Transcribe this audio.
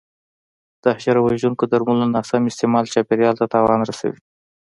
د حشره وژونکو درملو ناسم استعمال چاپېریال ته تاوان رسوي.